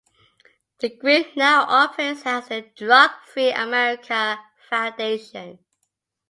The group now operates as the Drug Free America Foundation.